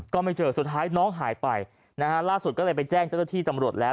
ก็ไม่เจอสุดท้ายน้องหายไปนะฮะล่าสุดก็เลยไปแจ้งเจ้าหน้าที่ตำรวจแล้ว